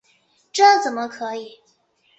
这怎么可以！